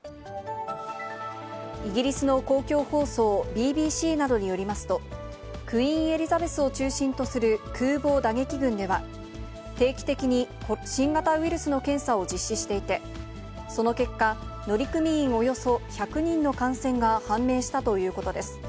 イギリスの公共放送ＢＢＣなどによりますと、クイーン・エリザベスを中心とする空母打撃群では、定期的に新型ウイルスの検査を実施していて、その結果、乗組員およそ１００人の感染が判明したということです。